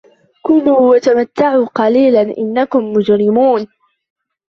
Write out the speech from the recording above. كُلُوا وَتَمَتَّعُوا قَلِيلًا إِنَّكُمْ مُجْرِمُونَ